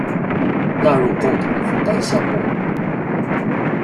納入共同負擔項目